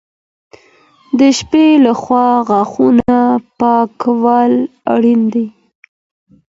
د شپې لخوا غاښونه پاکول اړین دي.